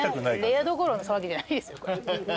レアどころの騒ぎじゃないですよ。